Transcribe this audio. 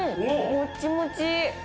もっちもち！